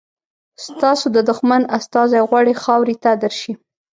ستاسو د دښمن استازی غواړي خاورې ته درشي.